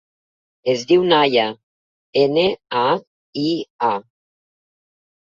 Es diu Naia: ena, a, i, a.